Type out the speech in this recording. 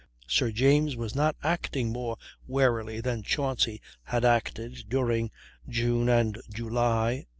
Sir James was not acting more warily than Chauncy had acted during June and July, 1813.